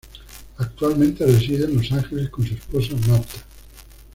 Actualmente reside en Los Ángeles con su esposa Martha.